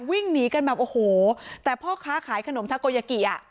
วิ่งหนีกันแบบโอ้โหแต่พ่อค้าขายขนมทาโกยากิอ่ะ